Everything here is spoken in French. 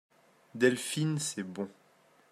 Delphine C'est bon.